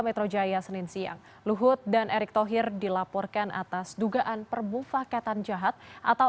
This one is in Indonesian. metro jaya senin siang luhut dan erick thohir dilaporkan atas dugaan permufakatan jahat atau